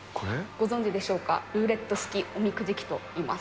ご存じでしょうか、ルーレット式おみくじ器といいます。